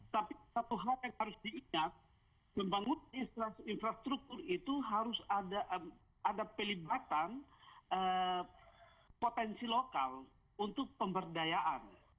tapi satu hal yang harus diingat membangun infrastruktur itu harus ada pelibatan potensi lokal untuk pemberdayaan